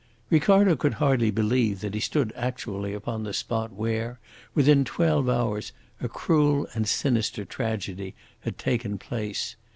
Ricardo could hardly believe that he stood actually upon the spot where, within twelve hours, a cruel and sinister tragedy had taken place.